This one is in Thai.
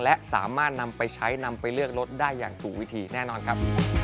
และสามารถนำไปใช้นำไปเลือกรถได้อย่างถูกวิธีแน่นอนครับ